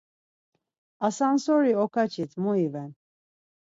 Asansori okaçit mu iven.